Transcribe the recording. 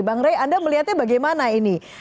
bang rey anda melihatnya bagaimana ini